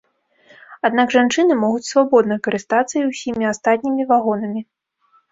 Аднак жанчыны могуць свабодна карыстацца і ўсімі астатнімі вагонамі.